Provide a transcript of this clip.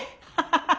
ハハハハ。